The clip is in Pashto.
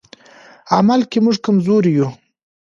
عمل کې موږ کمزوري یو.